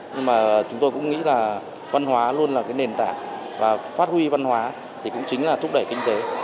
nhưng mà chúng tôi cũng nghĩ là văn hóa luôn là cái nền tảng và phát huy văn hóa thì cũng chính là thúc đẩy kinh tế